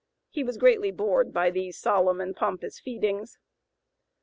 He was greatly bored by these solemn and pompous feedings.